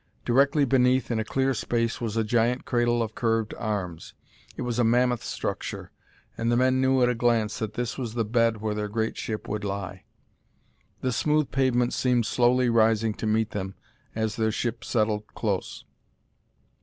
Directly beneath in a clear space was a giant cradle of curved arms; it was a mammoth structure, and the men knew at a glance that this was the bed where their great ship would lie. The smooth pavement seemed slowly rising to meet them as their ship settled close.